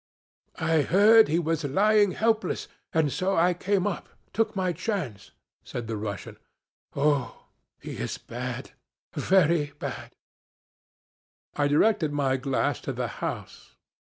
'I heard he was lying helpless, and so I came up took my chance,' said the Russian. 'Oh, he is bad, very bad.' I directed my glass to the house.